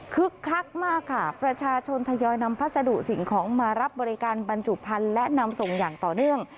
คักมากค่ะประชาชนทยอยนำพัสดุสิ่งของมารับบริการบรรจุพันธุ์และนำส่งอย่างต่อเนื่อง